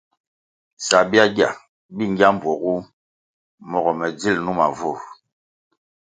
Sabyagya bi ngya mbpuogu mogo me dzil numa vur.